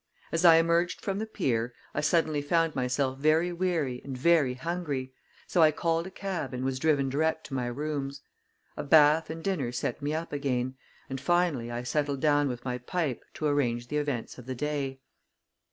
As I emerged from the pier, I suddenly found myself very weary and very hungry, so I called a cab and was driven direct to my rooms. A bath and dinner set me up again, and finally I settled down with my pipe to arrange the events of the day.